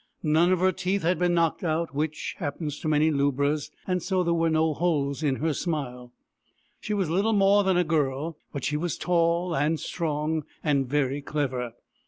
None of her teeth had been knocked out, which happens to many lubras, and so there were no holes in her smile. She was little more than a girl, but she was tall and strong, and very clever.